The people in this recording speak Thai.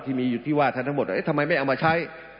ที่มีอยู่ขึ้นมาทั้งหมดท่านทำไมไม่เอามาใช้